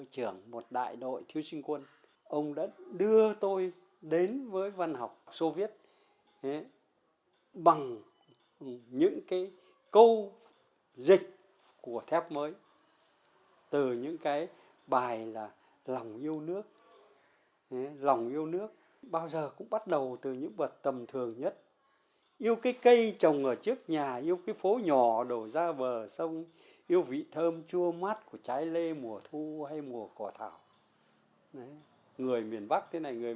chúng tôi còn nhớ đến bây giờ qua những câu dịch của nhà báo thép mới